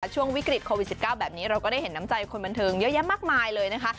ช่วงวิกฤตโควิด๑๙แบบนี้เราก็ได้เห็นน้ำใจคนบันเทิงเยอะแยะมากมายเลยนะคะ